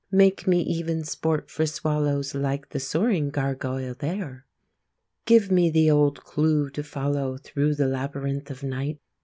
Make me even sport for swallows, Like the soaring gargoyle there! Give me the old clue to follow, Through the labyrinth of night!